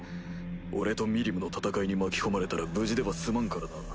俺とミリムの戦いに巻き込まれたら無事では済まんからな。